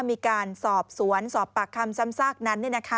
มีการสอบสวนสอบปากคำซ้ำซากนั้น